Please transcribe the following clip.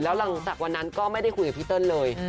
แล้วหลังจากวันนั้นก็ไม่ได้คุยกับพี่เติ้ลเลย